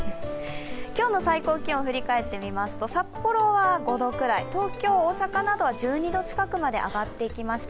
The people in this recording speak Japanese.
今日の最高気温を振り返って見ますと札幌は５度くらい、東京、大阪などは１２度近くまで上がってきました。